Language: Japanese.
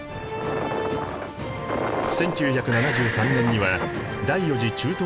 １９７３年には第４次中東戦争勃発。